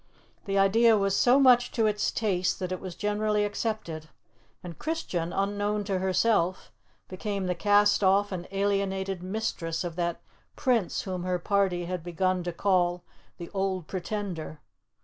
The idea was so much to its taste that it was generally accepted; and Christian, unknown to herself, became the cast off and alienated mistress of that Prince whom her party had begun to call 'The Old Pretender.'